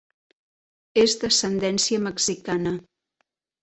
És d'ascendència mexicana.